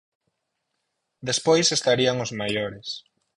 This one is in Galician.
Despois estarían os maiores.